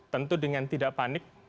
tentu dengan tidak panik